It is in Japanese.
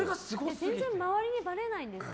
全然周りにばれないんですか？